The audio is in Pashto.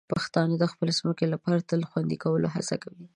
پښتانه د خپلې ځمکې لپاره تل د خوندي کولو هڅه کوي.